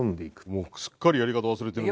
もうすっかりやり方忘れてる。